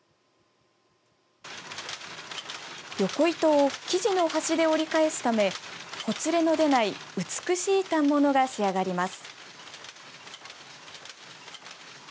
横糸を生地の端で折り返すためほつれの出ない美しい反物が仕上がります。